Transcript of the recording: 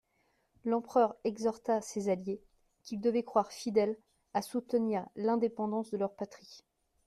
L'empereur exhorta ces alliés, qu'il devait croire fidèles, à soutenir l'indépendance de leur patrie.